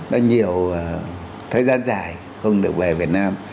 đã nhiều thời gian dài không được về việt nam